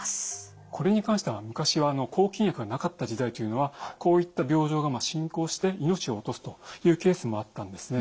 これに関しては昔は抗菌薬のなかった時代というのはこういった病状が進行して命を落とすというケースもあったんですね。